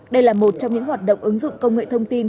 đây là một trong những hoạt động ứng dụng công nghệ thông tin